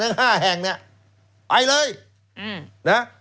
ทั้ง๕แห่งไปเลยนะ